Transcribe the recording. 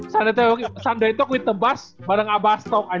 sunday talk with tebas bareng abas talk